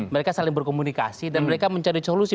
mereka saling berkomunikasi dan mereka mencari solusi